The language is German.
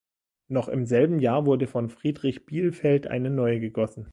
Noch im selben Jahr wurde von Friedrich Bielfeld eine neue gegossen.